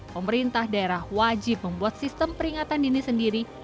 pemerintah daerah wajib membuat sistem peringatan dini sendiri